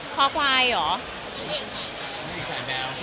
คอควายหรอ